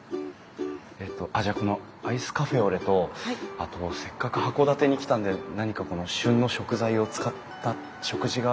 えっとじゃあこのアイスカフェオレとあとせっかく函館に来たんで何か旬の食材を使った食事があれば。